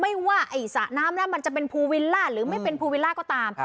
ไม่ว่าไอ้สระน้ำแล้วมันจะเป็นภูวิลล่าหรือไม่เป็นภูวิลล่าก็ตาม